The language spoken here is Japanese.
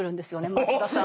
松田さんが。